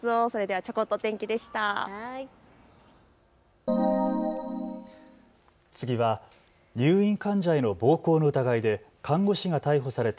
ちょこっと天気でした。